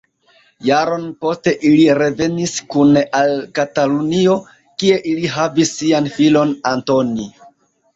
Jaron poste ili revenis kune al Katalunio, kie ili havis sian filon Antoni.